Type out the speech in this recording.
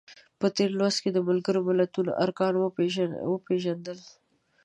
په تېر لوست کې د ملګرو ملتونو ارکان وپیژندل.